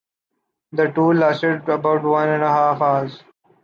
The tour lasted about one and a half hours.